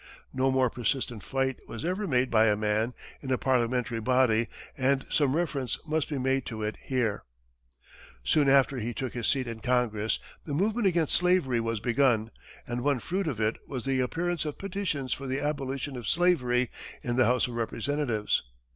No more persistent fight was ever made by a man in a parliamentary body and some reference must be made to it here. Soon after he took his seat in Congress, the movement against slavery was begun, and one fruit of it was the appearance of petitions for the abolition of slavery in the House of Representatives.